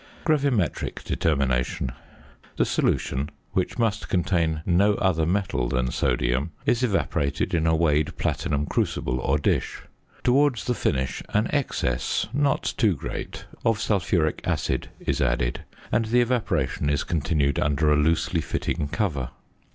GRAVIMETRIC DETERMINATION. The solution, which must contain no other metal than sodium, is evaporated in a weighed platinum crucible or dish. Towards the finish an excess, not too great, of sulphuric acid is added, and the evaporation is continued under a loosely fitting cover.